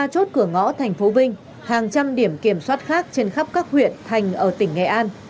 ba chốt cửa ngõ thành phố vinh hàng trăm điểm kiểm soát khác trên khắp các huyện thành ở tỉnh nghệ an